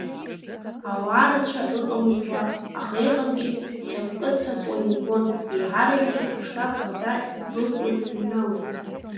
Ауаа рацәа ыҟамызт уа, аха иҟазгьы цаккы-цаккуа иубон, еиҳаракгьы аштаб хада идәылҵуаз-иҩналоз.